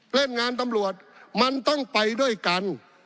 เล่นงานตำรวจมันต้องไปด้วยกัน